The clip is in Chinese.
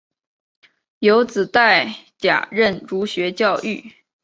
有子戴槚任儒学教谕。